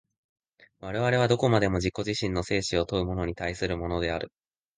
我々はどこまでも自己自身の生死を問うものに対するのである。